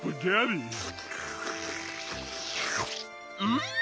うん！